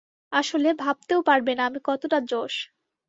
আসলে, ভাবতেও পারবে না আমি কতটা জোশ।